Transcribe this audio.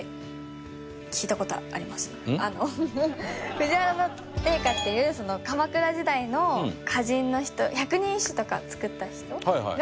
藤原定家っていう鎌倉時代の歌人の人『百人一首』とか作った人が。